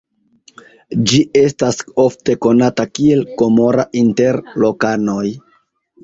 Ĝi estas ofte konata kiel "Gomora" inter lokanoj.